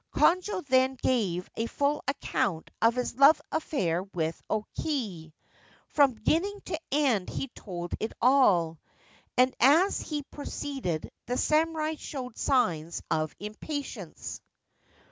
Konojo then gave a full account of his love affair with O Kei. From beginning to end he told it all, and as he proceeded the samurai showed signs of impatience.